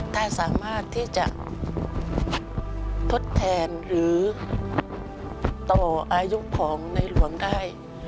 ถ้าสามารถที่จะทดแทนหรือต่ออายุของในหลวงได้